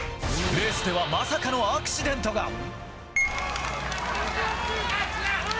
レースではまさかのアクシデントが。